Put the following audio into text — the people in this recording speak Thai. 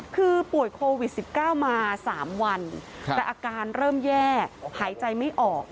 คือป่วยโควิด๑๙มา๓วันแต่อาการเริ่มแย่หายใจไม่ออก